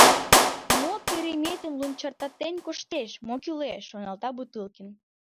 «Мо кереметым лунчыртатен коштеш, мо кӱлеш?» — шоналта Бутылкин.